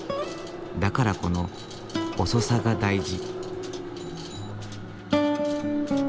だからこの遅さが大事。